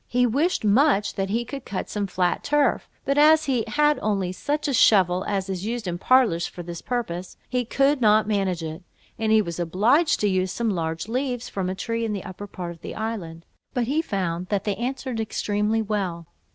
He wished much that he could cut some flat turf; but as he had only such a shovel as is used in parlours for this purpose, he could not manage it; and he was obliged to use some large leaves, from a tree in the upper part of the island, but he found that they answered extremely well.